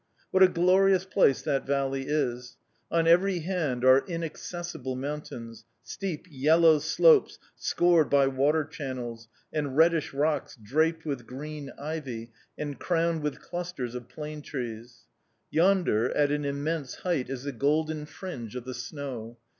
What a glorious place that valley is! On every hand are inaccessible mountains, steep, yellow slopes scored by water channels, and reddish rocks draped with green ivy and crowned with clusters of plane trees. Yonder, at an immense height, is the golden fringe of the snow.